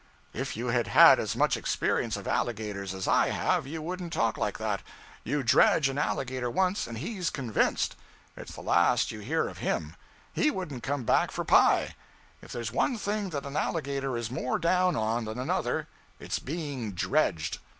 'If you had had as much experience of alligators as I have, you wouldn't talk like that. You dredge an alligator once and he's convinced. It's the last you hear of him. He wouldn't come back for pie. If there's one thing that an alligator is more down on than another, it's being dredged.